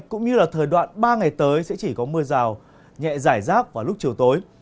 cũng như là thời đoạn ba ngày tới sẽ chỉ có mưa rào nhẹ giải rác vào lúc chiều tối